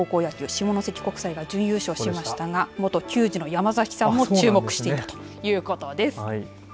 下関国際が準優勝しましたが元球児の山崎さんも注目していたということです。